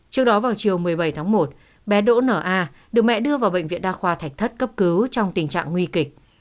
trước đó vào chiều một mươi bảy tháng một bé đỗ na được mẹ đưa vào bệnh viện đa khoa thạch thất cấp cứu trong tình trạng nguy kịch